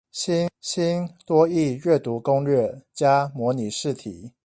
新多益閱讀攻略加模擬試題